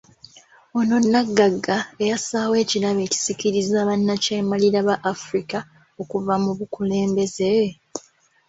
Ono Nnaggagga eyassaawo ekirabo ekisikiriza bannakyemalira ba Afirika okuva mu bukulembeze?